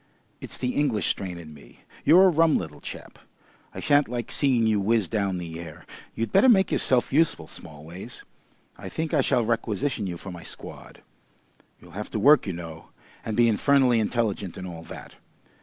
It's the English strain in me. You're a rum little chap. I shan't like seeing you whizz down the air.... You'd better make yourself useful, Smallways. I think I shall requisition you for my squad. You'll have to work, you know, and be infernally intelligent and all that.